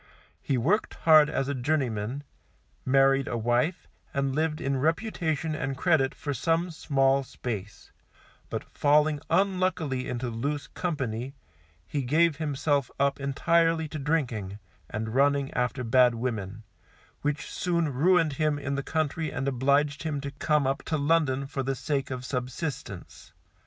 He worked hard as a journeyman, married a wife, and lived in reputation and credit for some small space; but falling unluckily into loose company, he gave himself up entirely to drinking, and running after bad women, which soon ruined him in the country and obliged him to come up to London for the sake of subsistance.